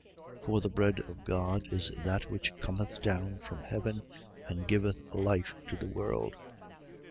6:33. For the bread of God is that which cometh down from heaven and giveth life to the world.